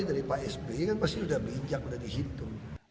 dari pak sp pasti sudah diinjak sudah dihitung